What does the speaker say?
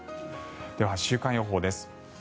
では、週間予報です。